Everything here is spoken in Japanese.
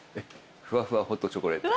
ふわふわホットチョコレート。